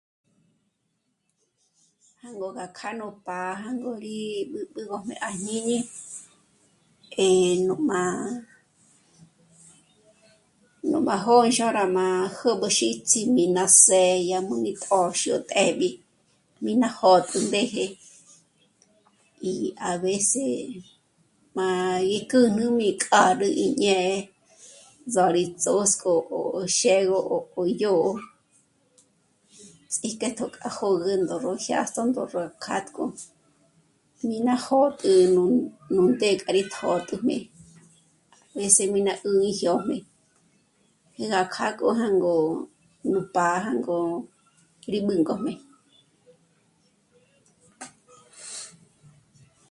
Jângo gá kjâ'a nú pája ngó rí b'ǚb'üjmé à jñiñi, eh... nú má... nú má jônxora má jäb'ä xíts'i mí ná sê'e yá mú ní t'ö́xü ó té'b'í. Mí ná jô'tü ndéje y a veces má í kjǚ'nü mí k'â'a rú ñé'e ndzóri ts'ö̌sk'o ó xégo ó... í dyò'o, ts'íjketo k'a jö̌gü ndó ró jyásd'o ndó'o ró kjátk'o. Mí ná jôt'ü nú ndé kja rí tjö̂t'üjmé a veces mí ná 'ûgi jyójmé, jé gá kjâ'a k'o jângo nú pája ngó rí b'ǘngojmé